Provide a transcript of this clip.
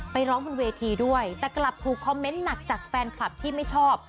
ไปร้องบนเวทีด้วยแต่กลับถูกคอมเมนต์หนักจากแฟนคลับที่ไม่ชอบ